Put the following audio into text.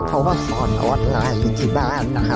เพราะว่าสอนออนไลน์อยู่ที่บ้านนะคะ